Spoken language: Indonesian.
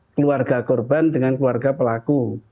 keluarga korban dengan keluarga pelaku